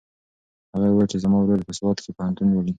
هغې وویل چې زما ورور په سوات کې پوهنتون لولي.